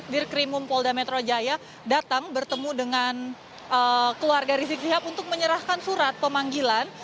dir krimum polda metro jaya datang bertemu dengan keluarga rizik sihab untuk menyerahkan surat pemanggilan